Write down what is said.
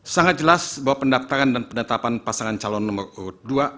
sangat jelas bahwa pendaftaran dan penetapan pasangan calon nomor urut dua